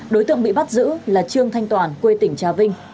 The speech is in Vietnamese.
đối tượng bị bắt giữ là trương thanh toàn quê tỉnh trà vinh